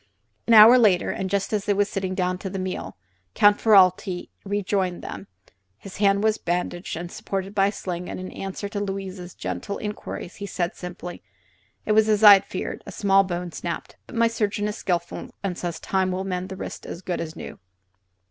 An hour later, and just as they were sitting down to the meal, Count Ferralti rejoined them. His hand was bandaged and supported by a sling, and in answer to Louise's gentle inquiries he said, simply: "It was as I had feared: a small bone snapped. But my surgeon is skillful, and says time will mend the wrist as good as new."